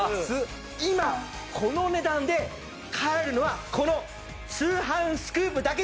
今このお値段で買えるのはこの『通販スクープ』だけです！